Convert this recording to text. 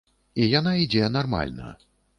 І яна ідзе нармальна.